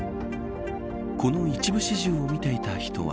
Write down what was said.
この一部始終を見ていた人は。